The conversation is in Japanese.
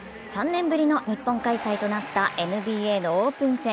３年ぶりの日本開催となったＮＢＡのオープン戦。